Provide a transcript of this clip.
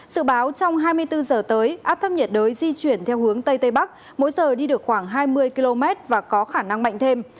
sự báo trong hai mươi bốn giờ tới áp thấp nhiệt đới di chuyển theo hướng tây tây bắc mỗi giờ đi được khoảng hai mươi km và có khả năng mạnh thêm